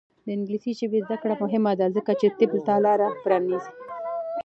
د انګلیسي ژبې زده کړه مهمه ده ځکه چې طب ته لاره پرانیزي.